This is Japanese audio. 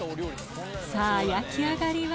さぁ焼き上がりは？